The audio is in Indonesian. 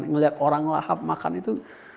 ngelihat orang lahap makan itu